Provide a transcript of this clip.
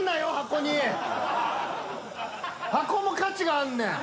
箱も価値があんねん。